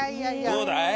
どうだい？